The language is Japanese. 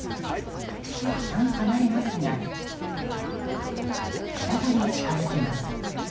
いったん離れますが再び近づきます。